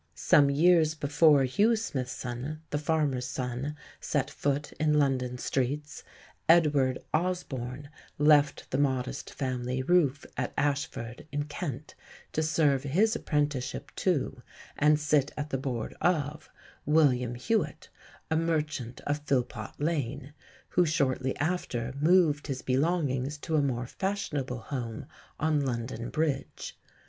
Some years before Hugh Smithson, the farmer's son, set foot in London streets, Edward Osborne left the modest family roof at Ashford, in Kent, to serve his apprenticeship to, and sit at the board of, William Hewitt, a merchant of Philpot Lane, who shortly after moved his belongings to a more fashionable home on London Bridge.